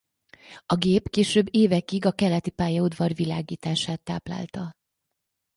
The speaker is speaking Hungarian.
A gép később évekig a Keleti pályaudvar világítását táplálta.